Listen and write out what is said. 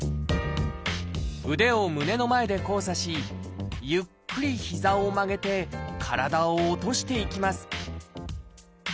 腕を胸の前で交差しゆっくり膝を曲げて体を落としていきます